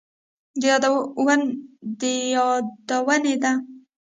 د يادونې ده،